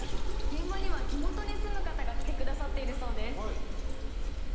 現場には地元に住む方が来てくださっているそうです。